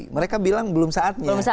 mereka bilang belum saatnya